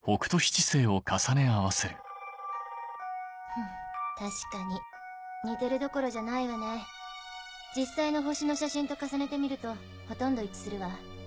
フン確かに似てるどころじゃないわね実際の星の写真と重ねてみるとほとんど一致するわ。